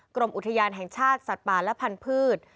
กรมอุทยานแห่งชาติสัตว์ป่าและพันธุ์